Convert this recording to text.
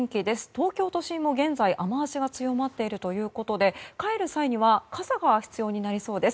東京都心は現在雨脚が強まっているということで帰る際には傘が必要になりそうです。